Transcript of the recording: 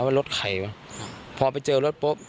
ว่ารถใครวะพอไปเจอรถปุ๊บ